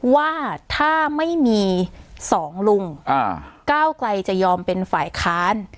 ว่าถ้าไม่มีสองลุงก้าวไกลจะยอมเป็นฝ่ายค้าน